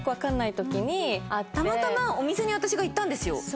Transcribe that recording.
たまたまお店に私が行ったんですよ。